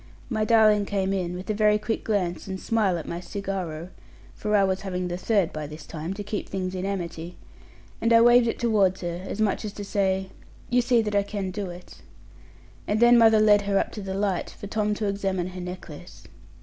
My darling came in, with a very quick glance and smile at my cigarro (for I was having the third by this time, to keep things in amity); and I waved it towards her, as much as to say, 'you see that I can do it.' And then mother led her up to the light, for Tom to examine her necklace.